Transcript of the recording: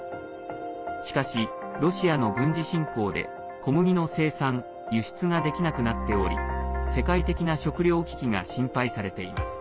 しかし、ロシアの軍事侵攻で小麦の生産、輸出ができなくなっており世界的な食糧危機が心配されています。